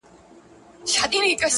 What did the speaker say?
چي مازیګر په ښایسته کیږي،